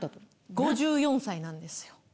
５４歳なんですよ。